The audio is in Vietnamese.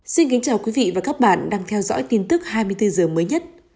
xin kính chào quý vị và các bạn đang theo dõi tin tức hai mươi bốn h mới nhất